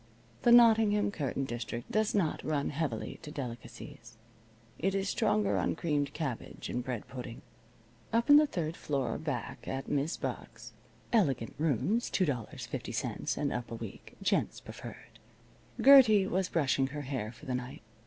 The Nottingham curtain district does not run heavily to delicacies. It is stronger on creamed cabbage and bread pudding. Up in the third floor back at Mis' Buck's (elegant rooms $2.50 and up a week. Gents preferred) Gertie was brushing her hair for the night.